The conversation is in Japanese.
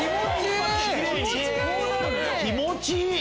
気持ちいい！